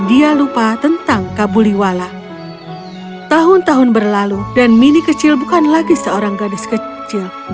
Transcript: dia lupa tentang kabuliwala tahun tahun berlalu dan mini kecil bukan lagi seorang gadis kecil